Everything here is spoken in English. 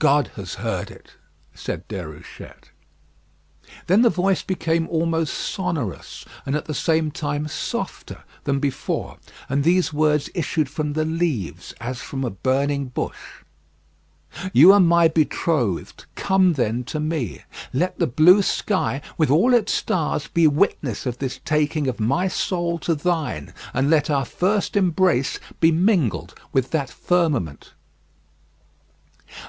"God has heard it," said Déruchette. Then the voice became almost sonorous, and at the same time softer than before, and these words issued from the leaves as from a burning bush: "You are my betrothed. Come then to me. Let the blue sky, with all its stars, be witness of this taking of my soul to thine; and let our first embrace be mingled with that firmament."